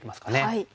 はい。